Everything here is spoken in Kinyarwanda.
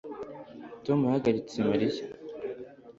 tom yahagaritse mariya